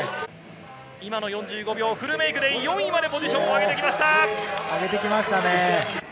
フルメイクで４位までポジションを上げてきました。